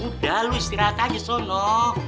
udah lo istirahat aja sonok